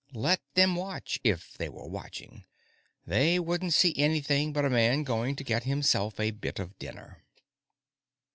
Let them watch, if they were watching. They wouldn't see anything but a man going to get himself a bit of dinner.